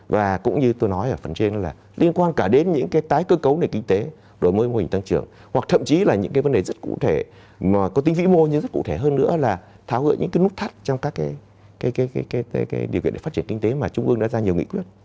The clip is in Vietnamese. và cũng như tôi nói ở phần trên là liên quan cả đến những cái tái cơ cấu nền kinh tế đổi mới mô hình tăng trưởng hoặc thậm chí là những cái vấn đề rất cụ thể mà có tính vĩ mô nhưng rất cụ thể hơn nữa là tháo gỡ những cái nút thắt trong các cái điều kiện để phát triển kinh tế mà trung ương đã ra nhiều nghị quyết